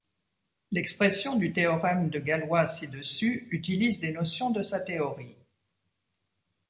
L'expression du théorème de Galois ci-dessus utilise des notions de sa théorie.